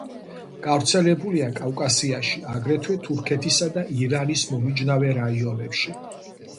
გავრცელებულია კავკასიაში, აგრეთვე თურქეთისა და ირანის მომიჯნავე რაიონებში.